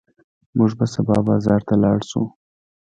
موږ به سبا بازار ته لاړ شو.